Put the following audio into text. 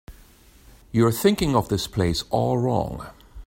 You're thinking of this place all wrong.